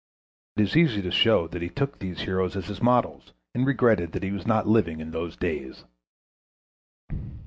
It is easy to show that he took these heroes as his models, and regretted that he was not living in those days.